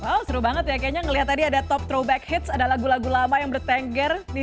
wow seru banget ya kayaknya ngeliat tadi ada top throwback hits ada lagu lagu lama yang bertengger di